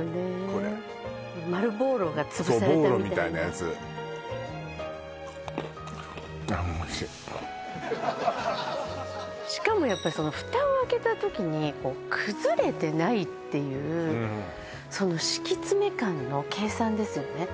これ丸ボーロが潰されたみたいなそうボーロみたいなやつしかもやっぱりそのフタを開けた時に崩れてないっていうその敷き詰め感の計算ですよね